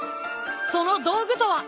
その道具とは？